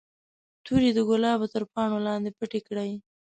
تورې د ګلابو تر پاڼو لاندې پټې کړئ.